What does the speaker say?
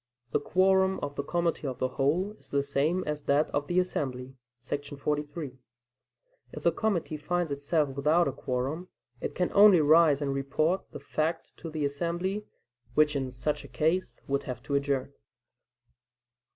The quorum of the committee of the whole is the same as that of the assembly [§ 43]. If the committee finds itself without a quorum, it can only rise and report the fact to the assembly, which in such a case would have to adjourn.